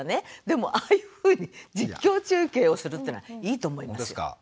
でもああいうふうに実況中継をするっていうのはいいと思いますよ。